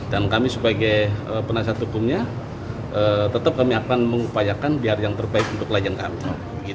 dan kami sebagai penasihat hukumnya tetap kami akan mengupayakan biar yang terbaik untuk pelajaran kami